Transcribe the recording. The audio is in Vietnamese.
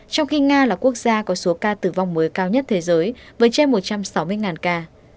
trong khi nga là quốc gia có số ca tử vong mới cao nhất thế giới với trên một trăm sáu mươi ca